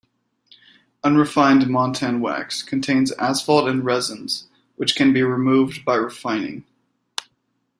Unrefined montan wax contains asphalt and resins, which can be removed by refining.